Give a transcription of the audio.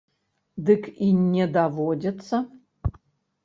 Дык і не даводзіцца.